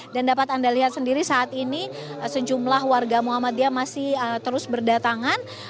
dan dapat anda lihat sendiri saat ini sejumlah warga muhammadiyah masih terus berdatangan